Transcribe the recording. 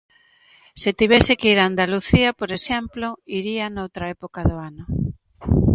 Se tivese que ir a Andalucía, por exemplo, iría noutra época do ano.